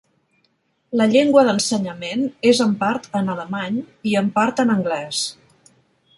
La llengua d'ensenyament és en part en alemany i en part en anglès.